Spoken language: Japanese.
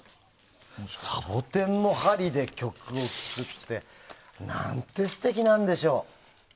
サボテンの針で曲を聴くって何て素敵なんでしょう。